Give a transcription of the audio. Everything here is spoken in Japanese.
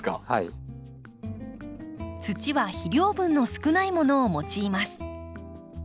土は肥料分の少ないものを用います。